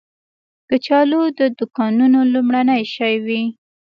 کچالو د دوکانونو لومړنی شی وي